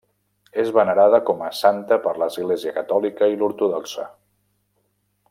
És venerada com a santa per l'Església catòlica i l'ortodoxa.